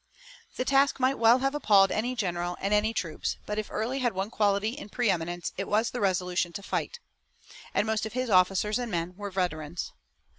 The task might well have appalled any general and any troops, but if Early had one quality in preeminence it was the resolution to fight. And most of his officers and men were veterans.